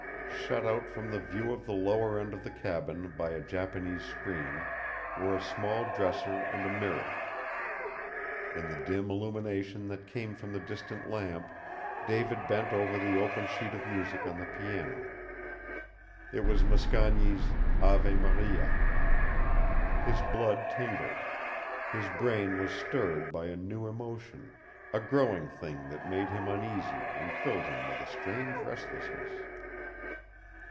Shut out from the view of the lower end of the cabin by a Japanese screen were a small dresser and a mirror. In the dim illumination that came from the distant lamp David bent over the open sheet of music on the piano. It was Mascagni's AVE MARIA. His blood tingled. His brain was stirred by a new emotion, a growing thing that made him uneasy and filled him with a strange restlessness.